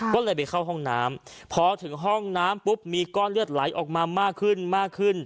ก็เลยไปเข้าห้องน้ำพอถึงห้องน้ำปุ๊บมีก้อนเลือดไหลออกมามากขึ้นมากขึ้น